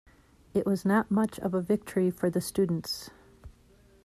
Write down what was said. It was not much of a victory for the students.